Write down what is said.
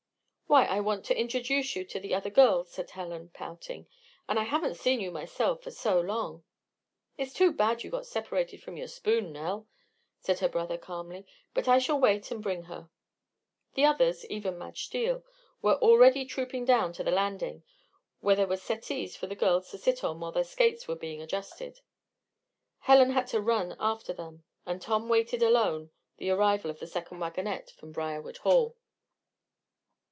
"Why, I want to introduce you to the other girls," said Helen, pouting. "And I haven't seen you myself for so long." "It's too bad you got separated from your spoon, Nell," said her brother, calmly. "But I shall wait and bring her." The others even Madge Steele were already trooping down to the landing, where there were settees for the girls to sit on while their skates were being adjusted. Helen had to run after them, and Tom waited alone the arrival of the second wagonette from Briarwood Hall.